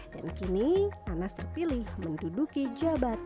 pak ini selama dua periode menjabat